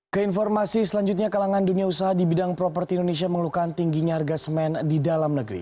keinformasi selanjutnya kalangan dunia usaha di bidang properti indonesia mengeluhkan tingginya harga semen di dalam negeri